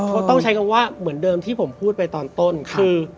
เพราะต้องใช้คำว่าเหมือนเดิมที่ผมพูดไปตอนต้นคือ